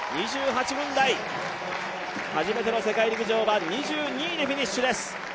２８分台、初めての世界陸上は２２位でフィニッシュです。